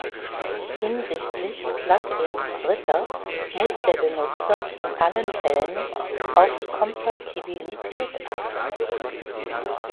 Hinsichtlich Plug-ins Dritter muss der Benutzer in allen Fällen auf Kompatibilität achten.